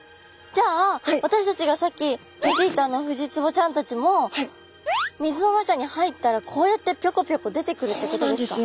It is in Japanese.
じゃあ私たちがさっき見ていたフジツボちゃんたちも水の中に入ったらこうやってピョコピョコ出てくるってことですか。